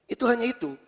itu hanya itu